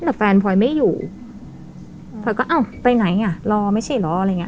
แต่แฟนพลอยไม่อยู่พลอยก็อ้าวไปไหนอ่ะรอไม่ใช่เหรออะไรอย่างเ